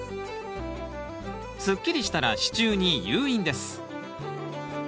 すっきりしたら支柱に誘引です。